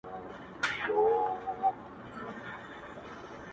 تا هچيش ساتلې دې پر کور باڼه~